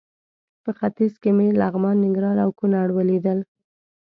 په ختیځ کې مې لغمان، ننګرهار او کونړ ولیدل.